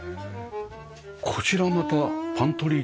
こちらはまたパントリー的な。